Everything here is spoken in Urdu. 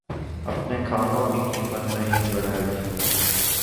اپنے کھانوں کی قیمت نہیں بڑھائی